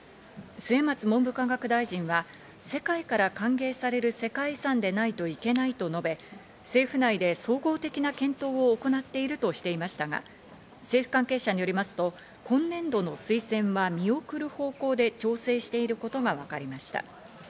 末松文部科学大臣は世界から歓迎される世界遺産でないといけないと述べ、政府内で総合的な検討を行っているとしていましたが、政府関係者によりますと、今年度の推薦は見送る方向で調整していることがわかりました。